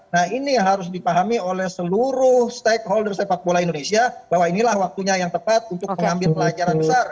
nah ini harus dipahami oleh seluruh stakeholder sepak bola indonesia bahwa inilah waktunya yang tepat untuk mengambil pelajaran besar